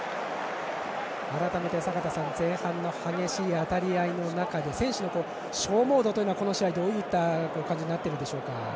改めて、前半の激しい当たり合いの中で選手の消耗度はこの試合、どういった感じになっているでしょうか？